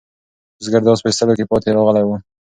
بزګر د آس په ایستلو کې پاتې راغلی و.